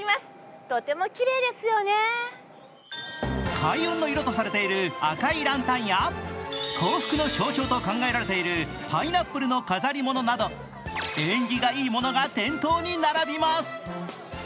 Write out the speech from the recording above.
開運の色とされている赤いランタンや幸福の象徴と考えられているパイナップルの飾り物など縁起がいいものが店頭に並びます。